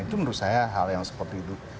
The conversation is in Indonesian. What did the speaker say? itu menurut saya hal yang sepotong